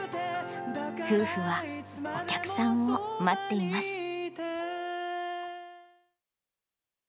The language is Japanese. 夫婦はお客さんを待っています。